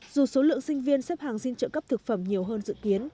dù số lượng sinh viên xếp hàng xin trợ cấp thực phẩm nhiều hơn dự kiến